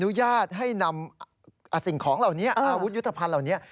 อนุญาตให้นำสิ่งของเหล่านี้อาวุธยุทธภัณฑ์เหล่านี้